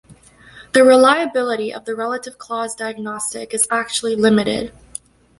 The reliability of the relative clause diagnostic is actually limited.